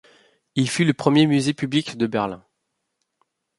Il fut le premier musée public de Berlin.